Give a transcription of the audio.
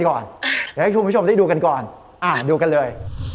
เดี๋ยวให้คุณผู้ชมได้ดูกันก่อนดูกันเลย